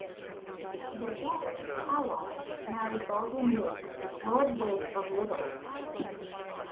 Their daughter, Hawise, married Baldwin Wake, Lord Wake of Liddell.